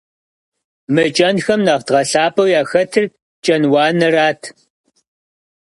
Мы кӀэнхэм нэхъ дгъэлъапӀэу яхэтыр «кӀэнуанэрат».